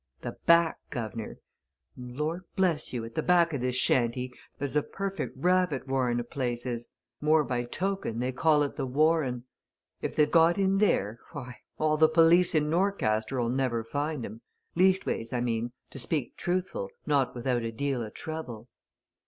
The back, Guv'nor! and Lord bless you, at the back o' this shanty there's a perfect rabbit warren o' places more by token, they call it the Warren. If they've got in there, why, all the police in Norcaster'll never find 'em leastways, I mean, to speak truthful, not without a deal o' trouble."